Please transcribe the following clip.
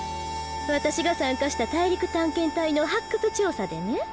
私が参加した大陸探検隊の発掘調査でね。